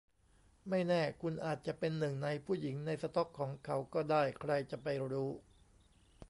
ไม่แน่คุณอาจจะเป็นหนึ่งในผู้หญิงในสต็อกของเขาก็ได้ใครจะไปรู้